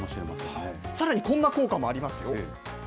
さらにこんな効果もありますよ。